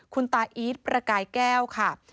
คุณตาอีทประกายแก้วค่ะ